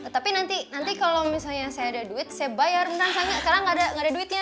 tapi nanti kalau misalnya saya ada duit saya bayar nanti sekarang nggak ada duitnya